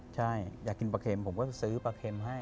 ใช่อยากกินปลาเข็มผมก็จะซื้อปลาเค็มให้